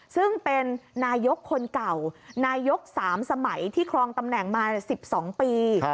ซึ่งเป็นนายกคนเก่านายก๓สมัยที่ครองตำแหน่งมา๑๒ปี